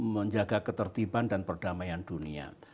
menjaga ketertiban dan perdamaian dunia